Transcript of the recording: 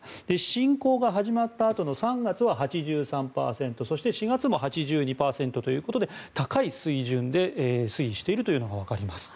侵攻が始まったあとの３月は８３％そして４月も８２％ということで高い水準で推移しているというのがわかります。